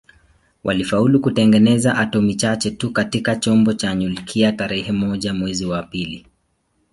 Walifaulu kutengeneza atomi chache tu katika chombo cha nyuklia tarehe moja mwezi wa pili